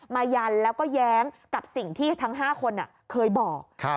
ยันแล้วก็แย้งกับสิ่งที่ทั้ง๕คนเคยบอก